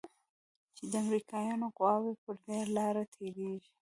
چې د امريکايانو قواوې پر دې لاره تېريږي.